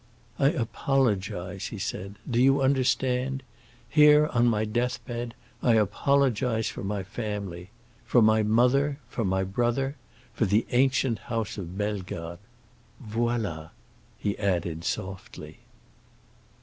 "I apologize," he said. "Do you understand? Here on my death bed. I apologize for my family. For my mother. For my brother. For the ancient house of Bellegarde. Voilà!" he added softly.